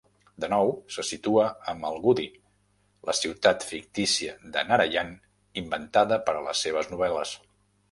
De nou se situa a Malgudi, la ciutat fictícia de Narayan inventada per a les seves novel·les.